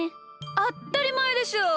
あったりまえでしょう。